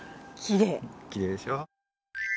きれいでしょ？